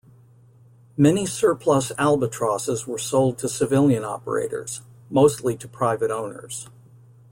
Many surplus Albatrosses were sold to civilian operators, mostly to private owners.